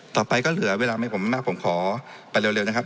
ต่อไปก็เหลือเวลาไม่ผมไม่มากผมขอไปเร็วนะครับ